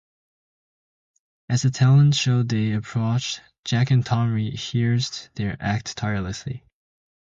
As the talent show day approached, Jack and Tom rehearsed their act tirelessly.